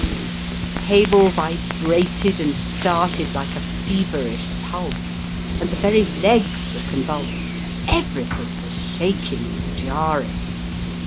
The table vibrated and started like a feverish pulse, and the very legs were convulsed everything was shaking and jarring.